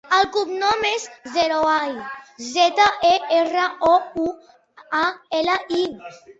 El cognom és Zerouali: zeta, e, erra, o, u, a, ela, i.